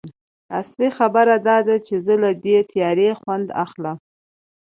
اصلي خبره دا ده چې زه له دې تیارې خوند اخلم